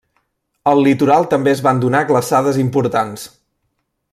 Al litoral també es van donar glaçades importants.